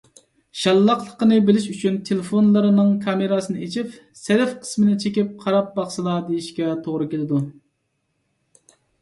شاللاقلىقنى بىلىش ئۈچۈن تېلېفونلىرىنىڭ كامېراسىنى ئېچىپ self قىسمىنى چېكىپ قاراپ باقسىلا، دېيشكە توغرا كېلىدۇ.